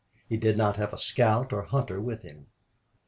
He did not have a scout or hunter with him.